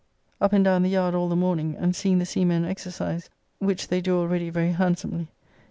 Up and down the yard all the morning and seeing the seamen exercise, which they do already very handsomely.